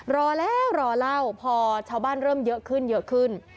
รอแล้วรอแล้วพอชาวบ้านเริ่มเยอะขึ้น